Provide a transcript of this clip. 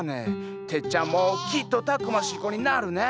テッチャンもきっとたくましい子になるね。